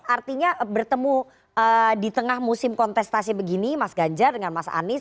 artinya bertemu di tengah musim kontestasi begini mas ganjar dengan mas anies